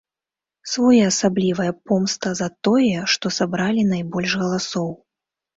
Своеасаблівая помста за тое, што сабралі найбольш галасоў.